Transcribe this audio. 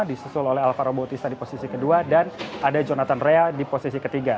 disusul oleh alvaro bautista di posisi kedua dan ada jonathan rea di posisi ketiga